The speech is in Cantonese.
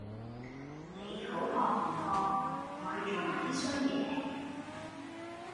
你好學唔學！學佢做埋 D 衰野